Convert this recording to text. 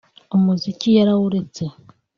umuziki yarawuretse